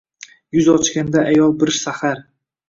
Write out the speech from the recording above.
Yuz ochganda ayoz bir saxar